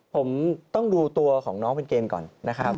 ผมต้องดูตัวของน้องเป็นเกมก่อนนะครับ